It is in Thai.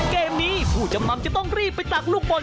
เกมนี้ผู้จำนำจะต้องรีบไปตักลูกบอล